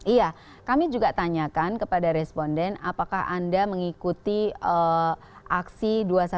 iya kami juga tanyakan kepada responden apakah anda mengikuti aksi dua ratus dua belas